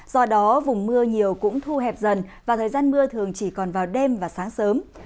do đó vùng mưa nhiều cũng thu hẹp dần và thời gian mưa thường chỉ còn vào đêm và sáng sớm